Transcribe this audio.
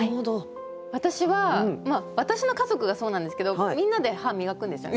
私は私の家族がそうなんですけどみんなで歯磨くんですよね。